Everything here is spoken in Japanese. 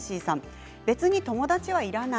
別に友達はいらない。